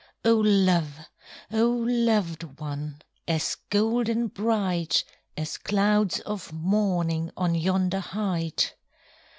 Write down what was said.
Oh love! oh loved one! As golden bright, As clouds of morning On yonder height!